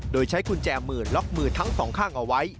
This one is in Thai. โดยใช้กุญแจมือล็อกมือทั้งสองข้างเอาไว้